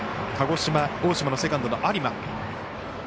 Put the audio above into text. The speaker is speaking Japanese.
鹿児島、大島のセカンドの有馬。